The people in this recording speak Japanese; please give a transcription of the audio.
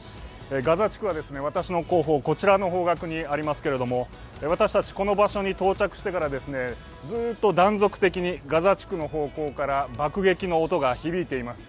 ガザ地区は私の後方、こちらの方角にありますけれども、私たちこの場所に到着してからずっと断続的にガザ地区の方向から爆撃の音が響いています。